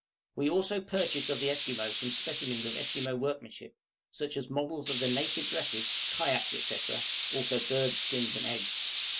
We also purchased of the Esquimaux some specimens of Esquimaux workmanship, such as models of the native dresses, kayaks, etc., also birds' skins and eggs.